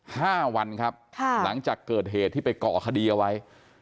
ห้าวันครับค่ะหลังจากเกิดเหตุที่ไปก่อคดีเอาไว้